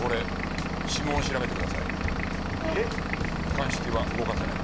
鑑識は動かせない。